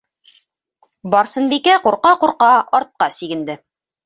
Барсынбикә ҡурҡа-ҡурҡа артҡа сигенде...